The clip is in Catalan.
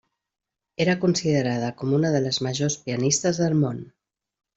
Era considerada com una de les majors pianistes del món.